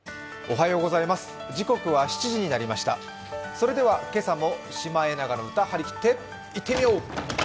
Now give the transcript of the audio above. それでは今朝も「シマエナガの歌」張り切っていってみよう！